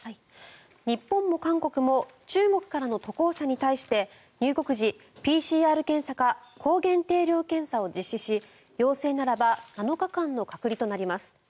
日本も韓国も中国からの渡航者に対して入国時、ＰＣＲ検査か抗原定量検査を実施し陽性ならば７日間の隔離となります。